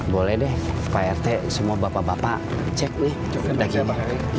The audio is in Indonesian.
boleh deh pak rt semua bapak bapak cek nih dagingnya